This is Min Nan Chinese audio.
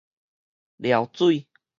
蹽水